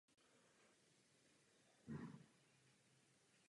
Tato terasa byla propojena s druhou terasou u východního průčelí.